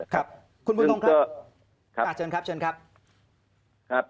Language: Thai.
คุณคุณตรงครับเชิญครับ